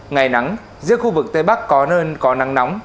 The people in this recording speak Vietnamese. ngày nắng riêng khu vực tây bắc có nơi có nắng nóng